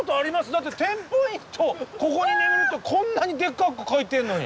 だって「テンポイントここに眠る」ってこんなにでっかく書いてんのに。